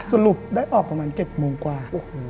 สรุปได้ออกประมาณ๗โมงกว่า